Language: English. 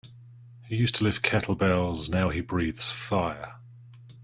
He used to lift kettlebells now he breathes fire.